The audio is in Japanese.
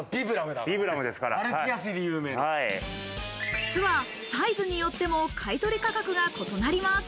靴はサイズによっても買取価格が異なります。